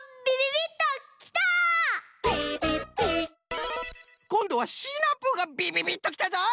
「ビビビッ」こんどはシナプーがびびびっときたぞい！